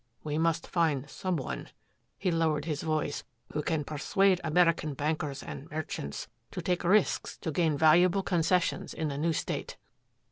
We must find some one," he lowered his voice, "who can persuade American bankers and merchants to take risks to gain valuable concessions in the new state."